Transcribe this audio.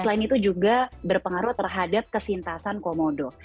selain itu juga berpengaruh terhadap kesintasan komodo